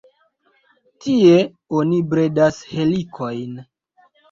Tie oni bredas helikojn.